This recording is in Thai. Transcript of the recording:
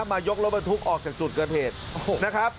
มายกรถบทุกข์ออกจากจุดเกอร์เทศนะครับ